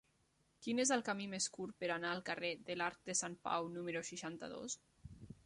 Quin és el camí més curt per anar al carrer de l'Arc de Sant Pau número seixanta-dos?